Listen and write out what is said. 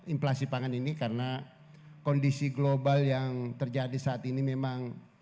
inflasi pangan ini karena kondisi global yang terjadi saat ini memang